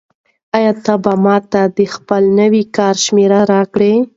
آیا ته به ماته خپله نوې کاري شمېره راکړې؟